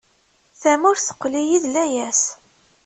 Tamurt teqqel-iyi d layas.